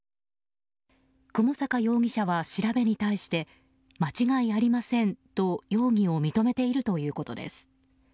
雲坂容疑者は調べに対して間違いありませんと容疑を認めているということです。